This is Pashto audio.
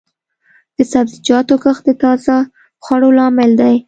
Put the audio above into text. د سبزیجاتو کښت د تازه خوړو لامل دی.